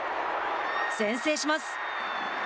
先制します。